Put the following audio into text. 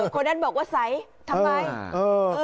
คนนั้นบอกว่าใสทำไม